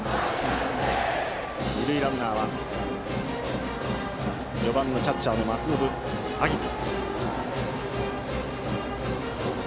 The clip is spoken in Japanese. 二塁ランナーは４番のキャッチャーの松延晶音。